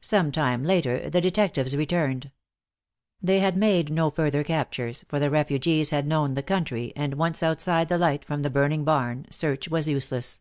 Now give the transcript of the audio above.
Some time later the detectives returned. They had made no further captures, for the refugees had known the country, and once outside the light from the burning barn search was useless.